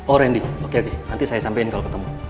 oh randy oke oke nanti saya sampein kalo ketemu